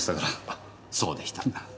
あそうでした。